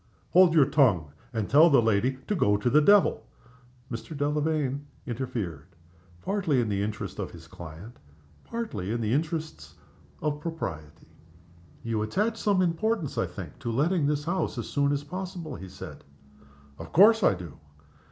"Hold your tongue, and tell the lady to go to the devil!" Mr. Delamayn interfered partly in the interests of his client, partly in the interests of propriety. "You attach some importance, I think, to letting this house as soon as possible?" he said. "Of course I do!"